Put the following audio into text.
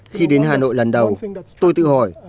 khi đến hà nội lần đầu tôi tự hỏi